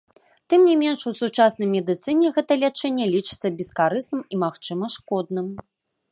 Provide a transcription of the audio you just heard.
Тым не менш, у сучаснай медыцыне гэта лячэнне лічыцца бескарысным і, магчыма, шкодным.